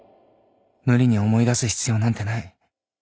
無理に思い出す必要なんてない